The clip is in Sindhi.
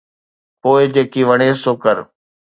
پوءِ جيڪي وڻيس سو ڪر.